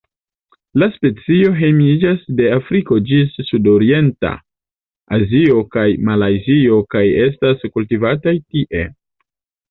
La specio hejmiĝas de Afriko ĝis Sudorienta Azio kaj Malajzio kaj estas kultivataj tie.